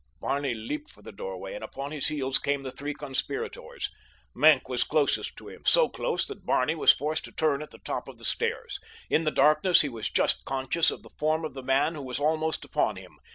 Barney leaped for the doorway, and upon his heels came the three conspirators. Maenck was closest to him—so close that Barney was forced to turn at the top of the stairs. In the darkness he was just conscious of the form of the man who was almost upon him.